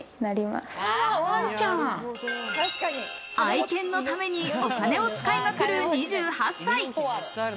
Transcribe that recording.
愛犬のためにお金を使いまくる２８歳。